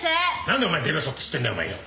何でお前出べそって知ってんだお前よ。